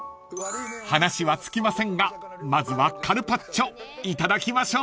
［話は尽きませんがまずはカルパッチョいただきましょう］